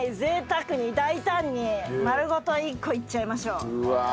贅沢に大胆に丸ごと１個いっちゃいましょう。